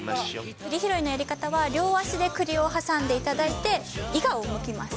くり拾いのやり方は両足でくりを挟んでいただいて、イガをむきます。